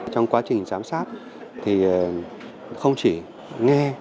trong quá trình giám sát không chỉ nghe